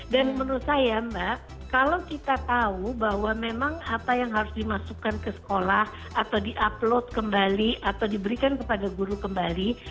dan menurut saya mbak kalau kita tahu bahwa memang apa yang harus dimasukkan ke sekolah atau di upload kembali atau diberikan kepada guru kembali